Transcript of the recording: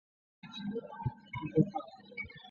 刚好在吃饭时遇到